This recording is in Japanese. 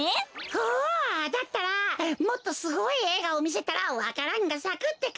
おおだったらもっとすごいえいがをみせたらわか蘭がさくってか。